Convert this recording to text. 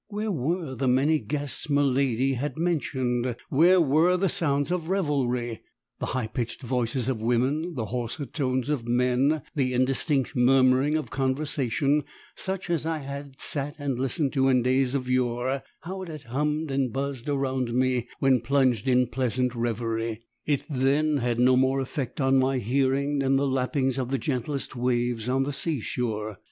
Where were the many guests miladi had mentioned? Where were the sounds of revelry? The high pitched voices of women, the hoarser tones of men, the indistinct murmuring of conversation such as I had sat and listened to in days of yore; how it had hummed and buzzed around me when plunged in pleasant reverie, it then had no more effect on my hearing than the lapping of the gentlest waves on the seashore.